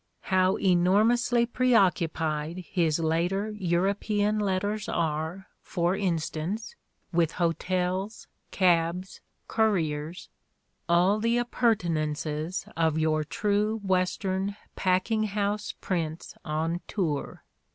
How enormously preoccupied his later European letters are, Everybody's Neighbor 137 for instance, with hotels, cabs, couriers, all the appur tenances of your true Western packing house prince on tour!